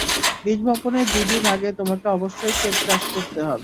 বীজ বপনের দুই দিন আগে তোমাকে অবশ্যই ক্ষেত চাষ করতে হবে।